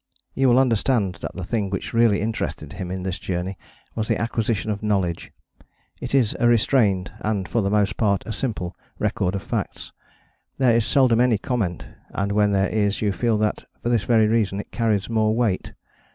You will understand that the thing which really interested him in this journey was the acquisition of knowledge. It is a restrained, and for the most part a simple, record of facts. There is seldom any comment, and when there is you feel that, for this very reason, it carries more weight.